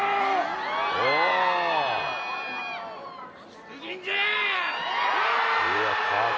出陣じゃ！